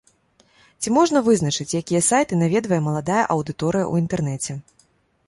Ці можна вызначыць, якія сайты наведвае маладая аўдыторыя ў інтэрнэце?